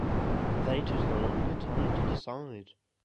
they took a longer time to decide